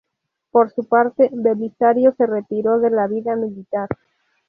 Por su parte, Belisario se retiró de la vida militar.